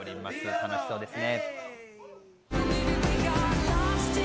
楽しそうですね。